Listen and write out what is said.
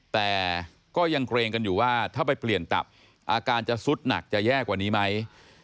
แต่ก็ยังเกรงกันอยู่ว่าถ้าไปเปลี่ยนตับอาการจะสุดหนักจะแย่กว่านี้ไหม